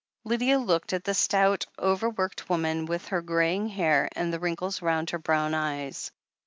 Lydia looked at the stout, overworked woman, with her greying hair and the wrinkles round her brown eyes.